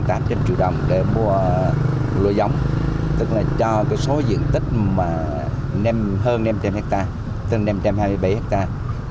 phần tám trăm linh triệu đồng để mua lúa giống tức là cho cái số diện tích mà hơn năm trăm linh hectare tương năm trăm hai mươi bảy hectare